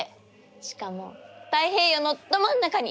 しかも太平洋のど真ん中に！